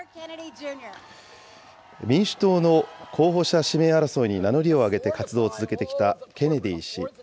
民主党の候補者指名争いに名乗りを上げて活動を続けてきたケネディ氏。